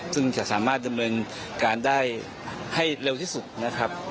ซึ่งจะสามารถดำเนินการได้ให้เร็วที่สุดนะครับ